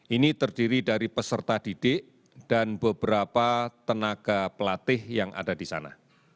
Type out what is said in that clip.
ini terdiri dari peserta didik dan beberapa tenaga pelatih yang ada di sana